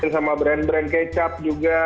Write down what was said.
sama brand brand kecap juga